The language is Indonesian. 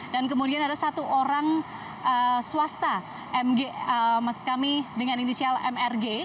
dan kemudian ada satu orang swasta mskmi dengan inisial mrg